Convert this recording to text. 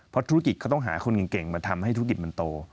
เพราะธุรกิจก็ต้องหาคนเก่งมาทำให้ธุรกิจมันโต